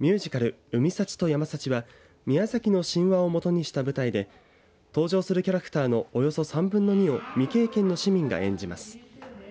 ミュージカル海幸と山幸は宮崎の神話を基にした舞台で登場するキャラクターのおよそ３分の２を未経験の市民が演じます。